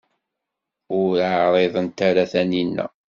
Ur d-ɛriḍent ara Taninna.